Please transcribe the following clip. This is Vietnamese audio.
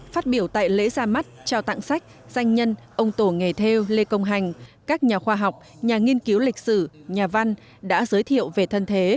phát biểu tại lễ ra mắt trao tặng sách danh nhân ông tổ nghề theo lê công hành các nhà khoa học nhà nghiên cứu lịch sử nhà văn đã giới thiệu về thân thế